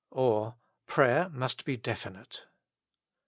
or, Prayer must be Definite.